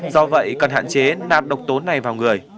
do vậy cần hạn chế nạm độc tố này vào người